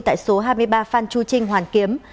tại số hai mươi ba phan chu trinh hoàn kiếm